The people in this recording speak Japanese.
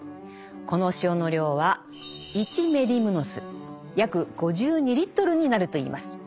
この塩の量は１メディムノス約５２リットルになるといいます。